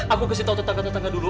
aku kasih tau tetangga tetangga dulu